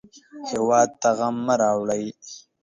هېواد ته غم مه راوړئ